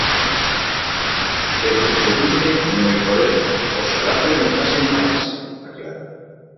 "Pero que pregunten non é problema, oxalá preguntasen máis", aclara.